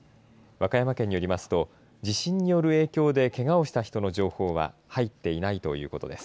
和歌山県によりますと、地震による影響でけがをした人の情報は入っていないということです。